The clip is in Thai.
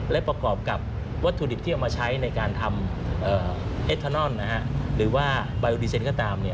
และประกอบกับวัตถุดิบที่เอามาใช้ในการทำเอทานอนหรือว่าบายโอดีเซนก็ตาม